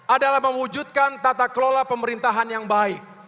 adalah mewujudkan tata kelola pemerintahan yang baik